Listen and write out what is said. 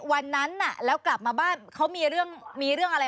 วันนั้นน่ะแล้วกลับมาบ้านเขามีเรื่องอะไร